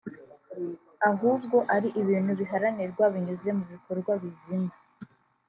ahubwo ari ibintu biharanirwa binyuze mu bikorwa bizima